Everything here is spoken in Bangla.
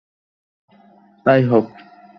ওকে তুমিই আশকারা দিয়ে দিয়ে বেয়াদব বানিয়েছ!